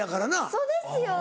そうですよ。